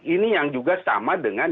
ini yang juga sama dengan